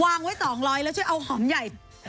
วางไว้๒๐๐แล้วช่วยเอาหอมใหญ่